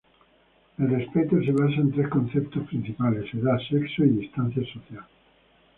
El respeto se basa en tres conceptos principales: edad, sexo y distancia social.